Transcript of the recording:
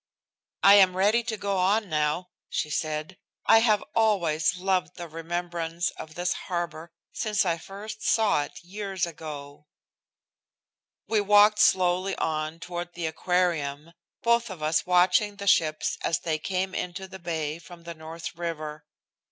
"I am ready to go on now," she said. "I have always loved the remembrance of this harbor since I first saw it years ago." We walked slowly on toward the Aquarium, both of us watching the ships as they came into the bay from the North river.